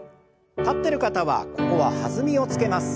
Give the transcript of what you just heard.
立ってる方はここは弾みをつけます。